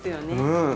うん。